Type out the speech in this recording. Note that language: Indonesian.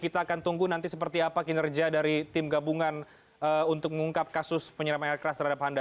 kita akan tunggu nanti seperti apa kinerja dari tim gabungan untuk mengungkap kasus penyeraman air keras terhadap handa